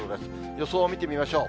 予想を見てみましょう。